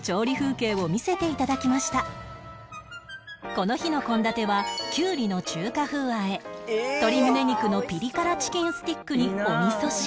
この日の献立はキュウリの中華風和え鶏胸肉のピリ辛チキンスティックにおみそ汁